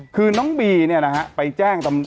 คือน้องบีเนี่ยนะฮะไปแจ้ง